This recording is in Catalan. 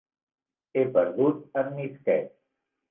He perdut en Misket.